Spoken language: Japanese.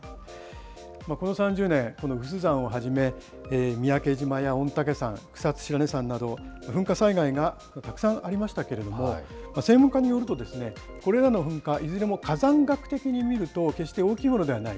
この３０年、この有珠山をはじめ、三宅島や御嶽山、草津白根山など、噴火災害がたくさんありましたけれども、専門家によると、これらの噴火、いずれも火山学的に見ると、決して大きいものではない。